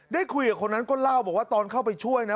ได้คุยกับคนนั้นก็เล่าบอกว่าตอนเข้าไปช่วยนะ